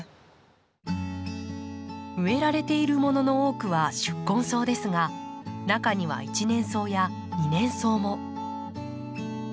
植えられているものの多くは宿根草ですが中には一年草や二年草も。